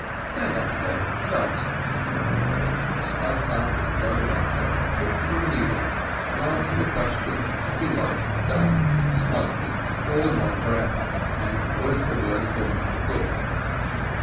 "Stand up again and answer !" I start up as though I felt a prick from a needle, and answer the question as he likes it done: smartly, all in one breath, and word for word according to the book.